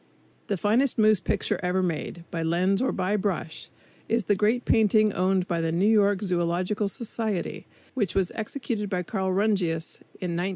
The finest moose picture ever made, by lens or by brush, is the great painting owned by the New York Zoological Society, which was executed by Carl Rungius in 1915.